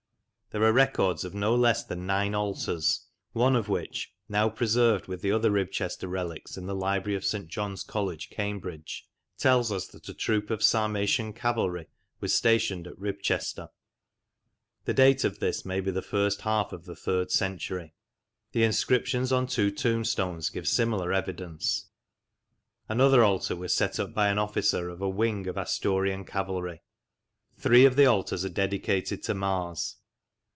There are records of no less than nine altars, one of which (now preserved with other Ribchester relics in the library of St. John's College, Cambridge) tells us that a troop of Sarmatian cavalry was stationed at Ribchester; the date of this may be the first half of the third century. The inscriptions on two tombstones give similar evidence. Another altar was set up by an officer of a " wing " of Asturian cavalry. Three of the altars are dedicated to Mars.